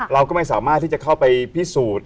เราก็ไม่สามารถที่จะเข้าไปพิสูจน์